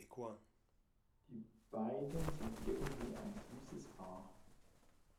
Die beiden sind irgendwie ein süßes Paar.